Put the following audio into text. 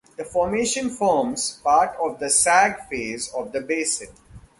The formation forms part of the sag phase of the basin.